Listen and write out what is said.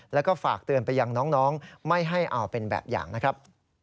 แล้วก็ฝากเตือนไปยังน้องไม่ให้เอาเป็นแบบอย่างนะครับ